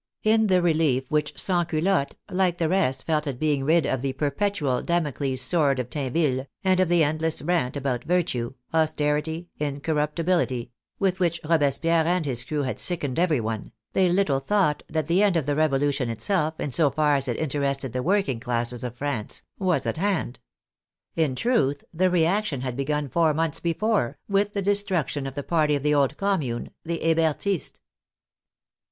In the relief which " Sansculottes " like the rest felt at being rid of the perpetual Damocles' sword of Tinville, and of the endless rant about " virtue," " aus terity," " incorruptibility," with which Robespierre and his crew had sickened every one, they little thought that the end of the Revolution itself, in so far as it interested the working classes of France, was at hand. In truth, the reaction had begun four months before, with the de struction of the party of the old Commune — the Heber tists.